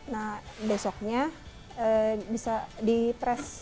nah besoknya bisa di press